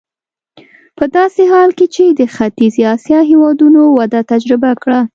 په داسې حال کې چې د ختیځې اسیا هېوادونو وده تجربه کړه.